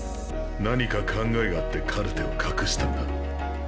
何か考えがあってカルテを隠したんだ。